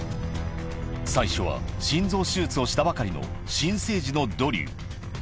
最初は、心臓手術をしたばかりの新生児のドリュー。